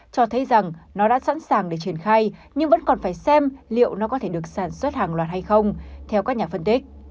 cho thấy rằng nó đã sẵn sàng để triển khai nhưng vẫn còn phải xem liệu nó có thể được sản xuất hàng loạt hay không theo các nhà phân tích